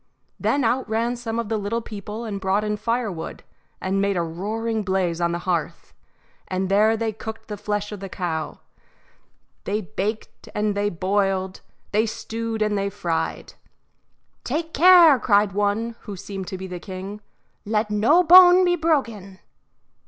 Then out ran some of the little people and brought in firewood and made a roaring blaze on the hearth, and there they cooked the flesh of the cow they baked and they boiled, they stewed and they fried. "Take care," cried one, who seemed to be the king, "let no bone be broken."